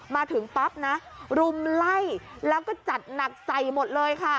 มาถึงปั๊บนะรุมไล่แล้วก็จัดหนักใส่หมดเลยค่ะ